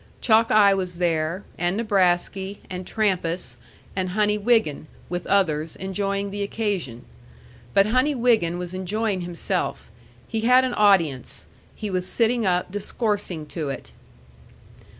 Chalkeye was there, and Nebrasky, and Trampas, and Honey Wiggin, with others, enjoying the occasion; but Honey Wiggin was enjoying himself: he had an audience; he was sitting up discoursing to it.